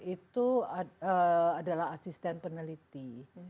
tujuh puluh satu itu adalah asisten peneliti